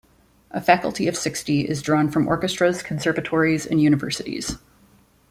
A faculty of sixty is drawn from orchestras, conservatories, and universities.